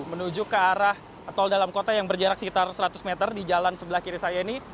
menuju ke arah tol dalam kota yang berjarak sekitar seratus meter di jalan sebelah kiri saya ini